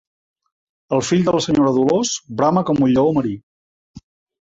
El fill de la senyora Dolors brama com un lleó marí.